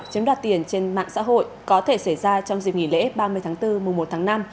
chiếm đoạt tiền trên mạng xã hội có thể xảy ra trong dịp nghỉ lễ ba mươi tháng bốn mùa một tháng năm